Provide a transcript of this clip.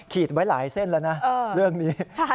ไว้หลายเส้นแล้วนะเรื่องนี้